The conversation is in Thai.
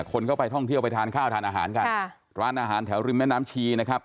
คนก็ไปท่องเที่ยวไปทานข้าวทานอาหารกันค่ะร้านอาหารแถวริมแม่น้ำชีนะครับ